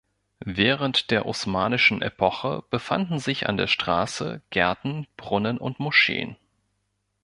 Während der osmanischen Epoche befanden sich an der Straße Gärten, Brunnen und Moscheen.